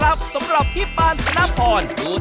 เราจะให้คุณการเป็นคนชีพ